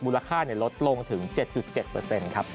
ค่าลดลงถึง๗๗ครับ